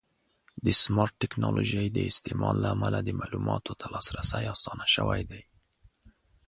د سمارټ ټکنالوژۍ د استعمال له امله د معلوماتو ته لاسرسی اسانه شوی دی.